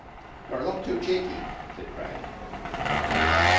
"You're a lot too cheeky," said Craye.